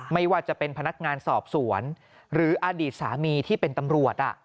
ไม่ว่าจะเป็นพนักงานสอบสวนหรืออดีตสามีที่เป็นตำรวจ